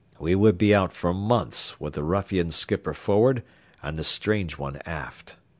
We would be out for months with the ruffian skipper forward and the strange one aft.